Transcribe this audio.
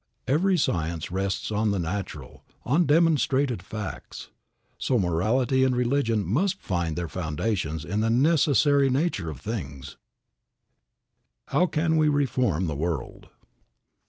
Every science rests on the natural, on demonstrated facts. So, morality and religion must find their foundations in the necessary nature of things. II. HOW CAN WE REFORM THE WORLD?